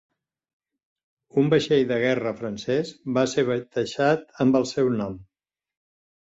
Un vaixell de guerra francès va ser batejat amb el seu nom.